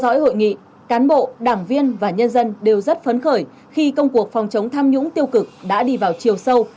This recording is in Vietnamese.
trong buổi nghị cán bộ đảng viên và nhân dân đều rất phấn khởi khi công cuộc phòng chống tham nhũng tiêu cực đã đi vào chiều sâu